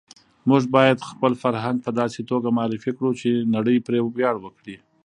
موږ باید خپل فرهنګ په داسې توګه معرفي کړو چې نړۍ پرې ویاړ وکړي.